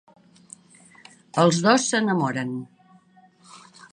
Els dos s'enamoren.